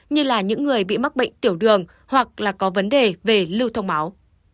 như là những người bị mắc bệnh tiểu đường hoặc là có vấn đề về lưu thông máu